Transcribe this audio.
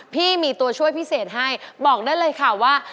พี่มีตัวช่วยพิเศษให้บอกได้เลยค่ะว่า